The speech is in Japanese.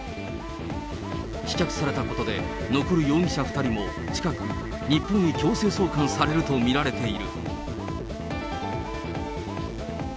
棄却されたことで、残る容疑者２人も近く、日本へ強制送還されると見られている。